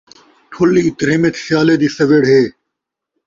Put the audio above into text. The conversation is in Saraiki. ٹھلی تریمت، سیالے دی سوّڑ ہے